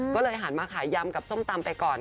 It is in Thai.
ก็เลยหันมาขายยำกับส้มตำไปก่อน